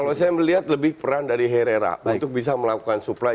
kalau saya melihat lebih peran dari herrera untuk bisa melakukan supply